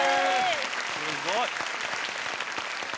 すごい。